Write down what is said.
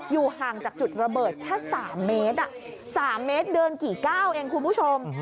อยู่ห่างจากจุดระเบิดแค่สามเมตรอ่ะสามเมตรเดินกี่ก้าวเองคุณผู้ชม